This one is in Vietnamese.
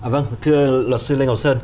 vâng thưa luật sư lê ngọc sơn